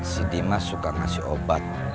si dimas suka ngasih obat